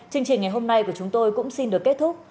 chương trình ngày hôm nay của chúng tôi cũng xin được kết thúc